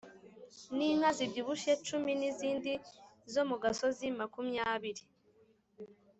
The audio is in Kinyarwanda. n’inka zibyibushye cumi n’izindi zo mu gasozi makumyabiri